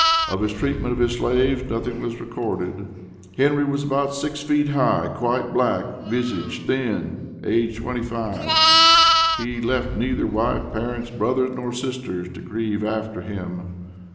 Of his treatment of his slaves nothing was recorded. Henry was about six feet high, quite black, visage thin, age twenty five. He left neither wife, parents, brothers nor sisters to grieve after him.